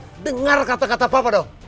dengar kata kata papa dong